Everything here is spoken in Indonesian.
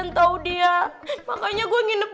anda tidak tahu apa namanya adegan yang berbagian baik